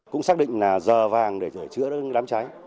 cũng xác định là giờ vàng để sửa chữa đám cháy